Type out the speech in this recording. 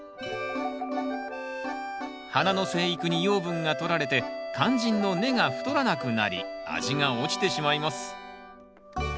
花の生育に養分がとられて肝心の根が太らなくなり味が落ちてしまいます。